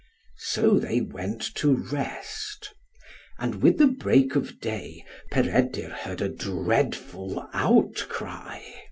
So they went to rest. And with the break of day, Peredur heard a dreadful outcry.